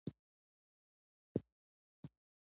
ټوله خبره ملک صاحب خلاصه کړله، احمد هسې چېړ پېړ کوي.